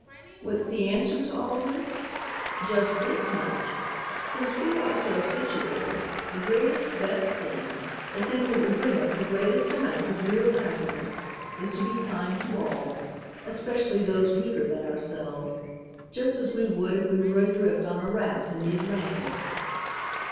"What's the answer to all this? Just this much: Since we are so situated, the greatest, best thing, the thing that will bring us the greatest amount of real happiness, is to be kind to all, especially those weaker than ourselves, just as we would if we were adrift on a raft in the Atlantic.